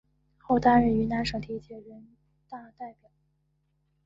后担任云南省第二届人大代表。